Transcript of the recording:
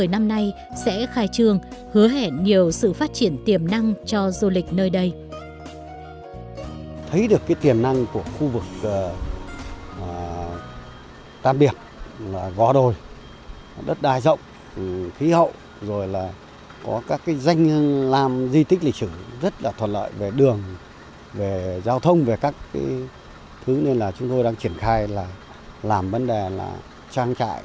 năm nay dù đã ở tuổi ngoài chín mươi nhưng tấm lòng của mẹ đối với đảng đất nước vẫn còn nguyên vẹn